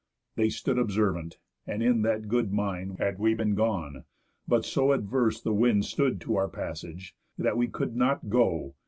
They stood observant, and in that good mind Had we been gone; but so adverse the wind Stood to our passage, that we could not go.